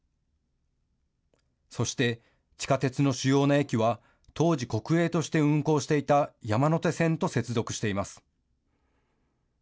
そして、地下鉄の主要な駅は、当時、国営として運行していた山手線と接続しています。